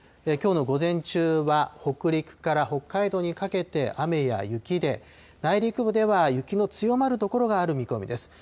きょうの午前中は、北陸から北海道にかけて雨や雪で、内陸部では雪の強まる所がある見込みです。